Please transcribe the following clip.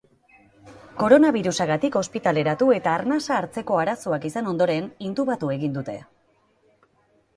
Koronabirusagatik ospitaleratu eta arnasa hartzeko arazoak izan ondoren, intubatu egin dute.